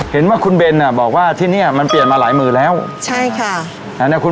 เห็นว่าคุณเบนบอกว่าที่นี่มันเปลี่ยนมาหลายมือแล้วใช่ค่ะ